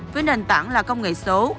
với nền tảng là công nghệ số